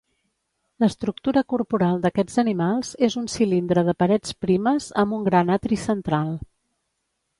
L'estructura corporal d'aquests animals és un cilindre de parets primes amb un gran atri central.